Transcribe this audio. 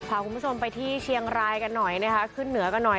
พาคุณผู้ชมไปที่เชียงรายกันหน่อยนะคะขึ้นเหนือกันหน่อย